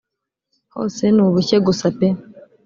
hose ni ubushye gusa pee